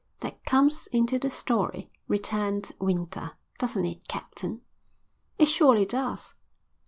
"That comes into the story," returned Winter. "Doesn't it, Captain?" "It surely does."